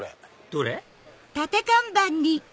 どれ？